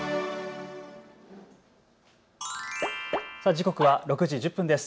時刻は６時１０分です。